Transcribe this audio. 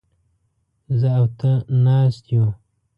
زه او ته ناست يوو.